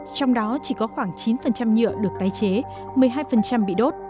trong đó chỉ có khoảng chín nhựa được tái chế một mươi hai bị đốt